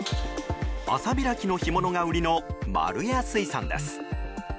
朝開きの干物が売りのマルヤ水産です。